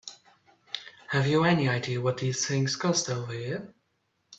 Have you any idea what these things cost over here?